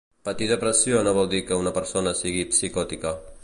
Patir depressió no vol dir que una persona sigui psicòtica.